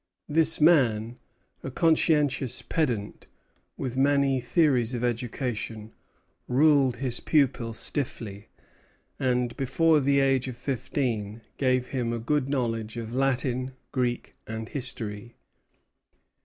This man, a conscientious pedant, with many theories of education, ruled his pupil stiffly; and, before the age of fifteen, gave him a good knowledge of Latin, Greek, and history.